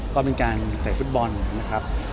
ก็เป็นการเตะฟุตบอลนะครับ